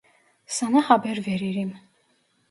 Sana haber veririm.